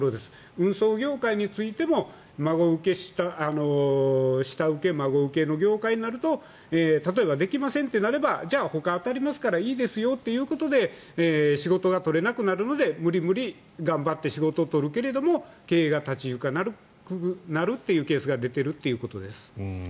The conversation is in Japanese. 運送業界についても下請け、孫請けの業界になると例えばできませんってなればじゃあ、ほかに当たりますからいいですよということで仕事が取れなくなるので無理無理、頑張って仕事を取るけれども経営が立ち行かなくなるケースが出てるということです。